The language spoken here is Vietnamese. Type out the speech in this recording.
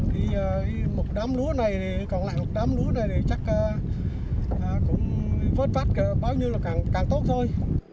thì một đám lúa này thì còn lại một đám lúa này thì chắc cũng vớt phát bao nhiêu là càng tốt thôi